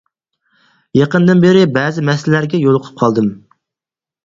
يېقىندىن بېرى بەزى مەسىلىلەرگە يولۇقۇپ قالدىم.